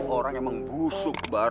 orangnya menggusuk bar